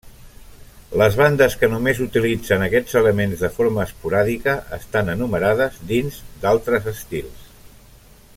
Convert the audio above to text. Les bandes que només utilitzen aquests elements de forma esporàdica estan enumerades dins d'altres estils.